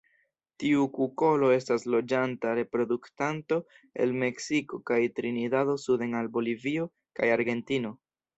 Tiu kukolo estas loĝanta reproduktanto el Meksiko kaj Trinidado suden al Bolivio kaj Argentino.